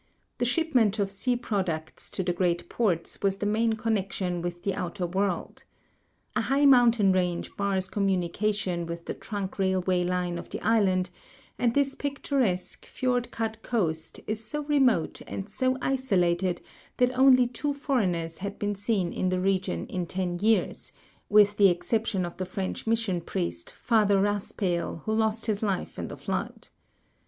J'he shipment of sea j)roducts to the great ports was the main connection with the outer world. A high mountain range bars communication with 19 286 RECENT EARTHQUAKE WAVE ON COAST OF JAPAN the trunk railway line of the island, and this picturesque, fiord cut coast is so remote and so isolated that only two foreigners had been seen in the region in ten years, with the exception of the French mission priest, Father Raspail, who lost his life in the flood.